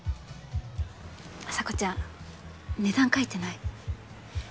麻子ちゃん値段書いてない。